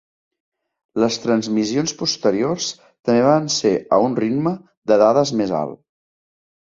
Les transmissions posteriors també van ser a un ritme de dades més alt.